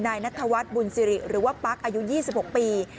นายนัทวัฒน์บุญสิริหรือว่าปั๊กอายุ๒๖ปี